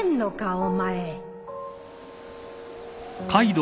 お前